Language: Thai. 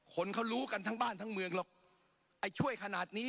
คนเขารู้กันทั้งบ้านทั้งเมืองหรอก